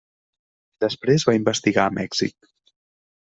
Després va investigar a Mèxic.